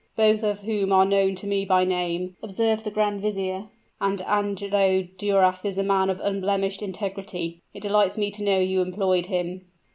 "Both of whom are known to me by name," observed the grand vizier; "and Angelo Duras is a man of unblemished integrity. It delights me much to know you employed him."